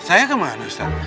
saya kemana ustadz